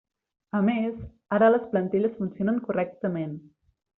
A més, ara les plantilles funcionen correctament.